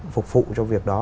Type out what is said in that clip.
phục vụ trong việc đó